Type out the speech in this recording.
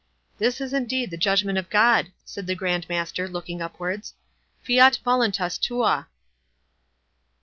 "This is indeed the judgment of God," said the Grand Master, looking upwards—"'Fiat voluntas tua!